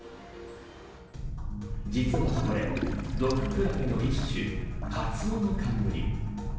実はこれ毒クラゲの一種カツオノカンムリ。